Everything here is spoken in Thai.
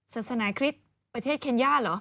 ศาสนาคริสต์ประเทศเคนย่าเหรอ